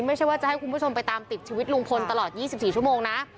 ไม่ใช่ว่าจะให้คุณผู้ชมไปตามติดชีวิตลุงพลตลอด๒๔ชั่วโมงนะ